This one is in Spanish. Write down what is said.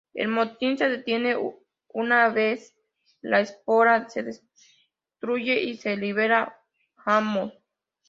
El motín se detiene una vez la espora se destruye y se libera "Hammond".